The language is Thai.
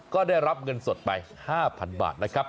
ก็ได้รับเงินสดไป๕๐๐๐บาทนะครับ